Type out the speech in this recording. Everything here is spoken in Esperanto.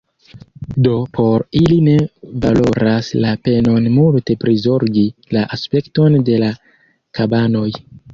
Do, por ili ne valoras la penon multe prizorgi la aspekton de la kabanoj.